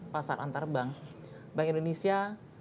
pasar antar bank bank indonesia